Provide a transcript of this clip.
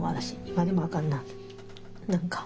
今でもあかんな。何か。